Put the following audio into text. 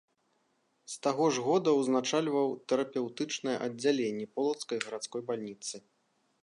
З таго ж года ўзначальваў тэрапеўтычнае аддзяленне полацкай гарадской бальніцы.